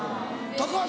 高橋